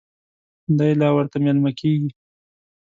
دی لا ورته مېلمه کېږي.